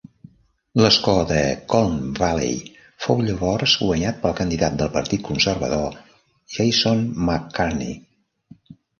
L'escó de Colne Valley fou llavors guanyat pel candidat del partit conservador Jason McCartney.